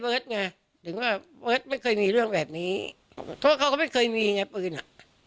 เพราะว่าเค้าก็ไม่เคยมีอย่างไรอื่นอะ